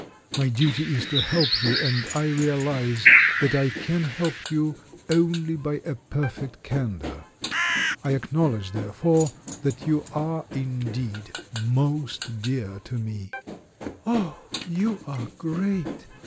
My duty is to help you, and I realise that I can help you only by a perfect candour. I ack nowledge, therefore, that you are indeed most dear to me." "Oh, you are great!"